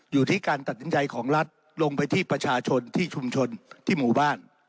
อยู่ที่การตัดสินใจของรัฐลงไปที่ประชาชนที่ชุมชนที่หมู่บ้าน